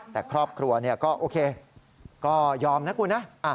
แต่ครอบครัวก็โอเคก็ยอมนะคุณนะ